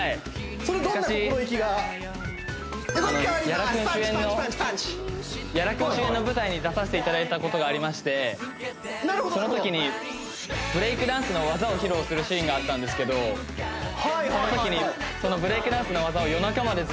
屋良君主演の舞台に出させていただいたことがありましてそのときにを披露するシーンがあったんですけどそのときにそのブレイクダンスの技をうわ優しい！